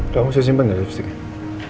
kamu masih simpen gak lipstiknya